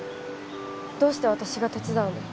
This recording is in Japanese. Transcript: どうして私が手伝うの？